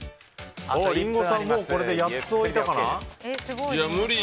リンゴさん、もうこれで８つ置いたかな。